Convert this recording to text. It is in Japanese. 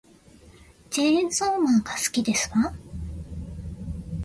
チェーンソーマンが好きですわ